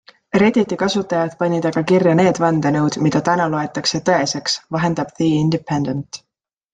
Redditi kasutajad panid aga kirja need vandenõud, mida täna loetakse tõeseks, vahendab The Independent.